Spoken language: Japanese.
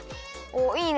おっいいね！